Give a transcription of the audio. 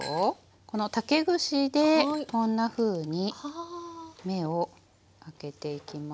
この竹串でこんなふうに目を開けていきます。